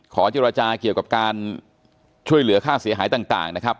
เจรจาเกี่ยวกับการช่วยเหลือค่าเสียหายต่างนะครับ